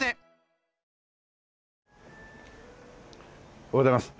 おはようございます。